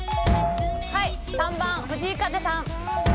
３番藤井風さん。